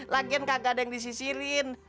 lagian kagak ada yang disisirin